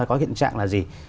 có hiện trạng là gì